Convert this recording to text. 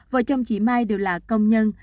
vợ chồng chị mai đều là công nhân